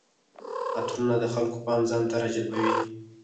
عطرونه د خلکو پام ځان ته راجلبوي.